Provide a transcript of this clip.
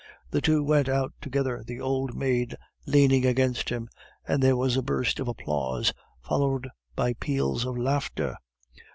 The two went out together, the old maid leaning upon him, and there was a burst of applause, followed by peals of laughter.